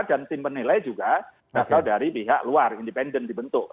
dan tim penilai juga berasal dari pihak luar independen dibentuk